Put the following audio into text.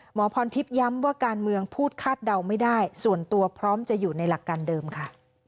หมอพรทิพย์ย้ำว่าการเมืองพูดคาดเดาไม่ได้ส่วนตัวพร้อมจะอยู่ในหลักการเดิมค่ะ